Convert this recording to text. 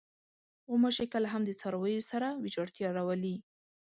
غوماشې کله هم د څارویو سره ویجاړتیا راولي.